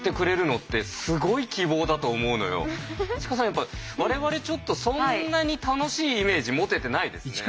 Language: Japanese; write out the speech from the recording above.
やっぱ我々ちょっとそんなに楽しいイメージ持ててないですね。